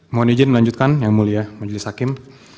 mohon izin melanjutkan yang mulia majelis hakim